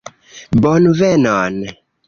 bonvenon